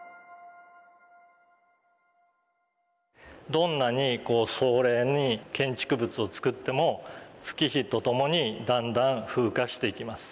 どんなに壮麗に建築物をつくっても月日とともにだんだん風化していきます。